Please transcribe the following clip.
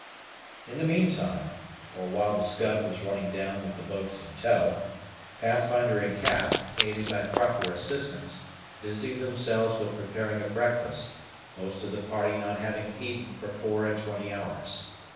In the meantime, or while the Scud was running down with the boats in tow, Pathfinder and Cap, aided by proper assistants, busied themselves with preparing a breakfast; most of the party not having eaten for four and twenty hours.